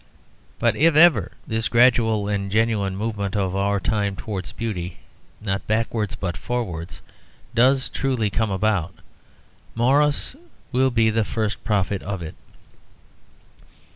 But if ever this gradual and genuine movement of our time towards beauty not backwards, but forwards does truly come about, Morris will be the first prophet of it.